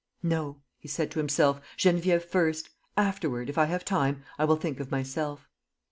"No," he said to himself, "Geneviève first. Afterward, if I have time, I will think of myself."